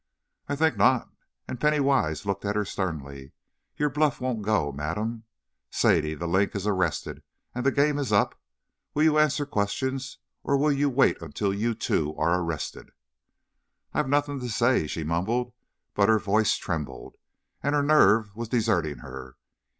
"I think not," and Penny Wise looked at her sternly. "Your bluff won't go, madam, Sadie, 'The Link,' is arrested, and the game is up. Will you answer questions or will you wait until you, too, are arrested?" "I have nothing to say," she mumbled, but her voice trembled, and her nerve was deserting her.